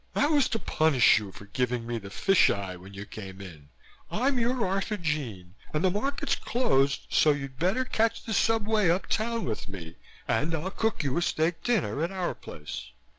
That was to punish you for giving me the fish eye when you came in. I'm your Arthurjean and the market's closed so you'd better catch the subway uptown with me and I'll cook you a steak dinner at our place."